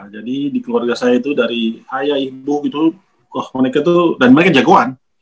jadi di keluarga saya itu dari ayah ibu gitu wah mereka tuh dan mereka jagoan